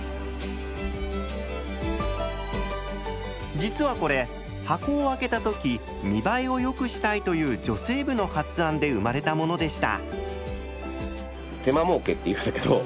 実はこれ「箱を開けた時見栄えを良くしたい」という女性部の発案で生まれたものでした。